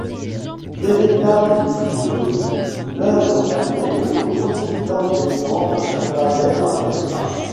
Véritable étude de rythmes, l'œuvre permet au compositeur d'étendre sa palette orchestrale.